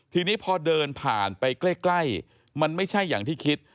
ทีนี้พอเดินผ่านไปใกล้มันไม่ใช่อย่างที่คิด